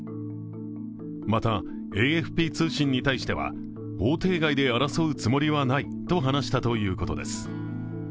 また、ＡＦＰ通信に対しては法廷外で争うつもりはないと話したということです。